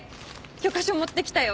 許可書持ってきたよ。